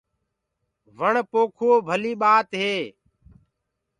وڻ پوکوو ڀلي ٻآت هي۔